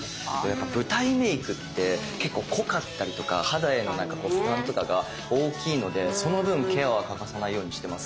やっぱ舞台メークって結構濃かったりとか肌への負担とかが大きいのでその分ケアは欠かさないようにしてます。